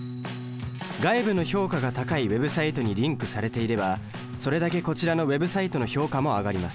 外部の評価が高いＷｅｂサイトにリンクされていればそれだけこちらのＷｅｂサイトの評価も上がります。